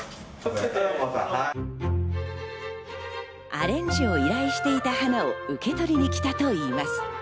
アレンジを依頼していた花を受け取りに来たといいます。